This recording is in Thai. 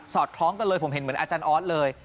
คล้องกันเลยผมเห็นเหมือนอาจารย์ออสเลย